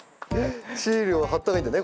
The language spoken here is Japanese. シールを貼った方がいいんだね